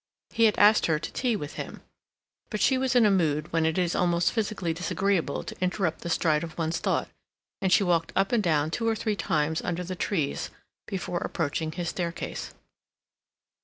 He had asked her to tea with him. But she was in a mood when it is almost physically disagreeable to interrupt the stride of one's thought, and she walked up and down two or three times under the trees before approaching his staircase.